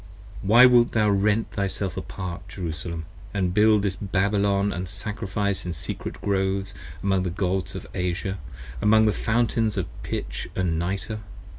Why wilt thou rend thyself apart, Jerusalem? And build this Babylon & sacrifice in secret Groves, Among the Gods of Asia: among the fountains of pitch & nitre.